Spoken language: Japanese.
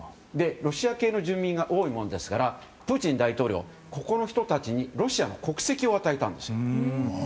ロシア系の住人が多いものですからプーチン大統領、ここの人たちにロシアの国籍を与えたんです。